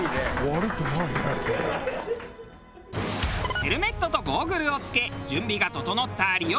ヘルメットとゴーグルを着け準備が整った有吉。